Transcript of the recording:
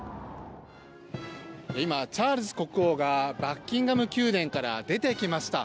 今チャールズ国王がバッキンガム宮殿から出てきました。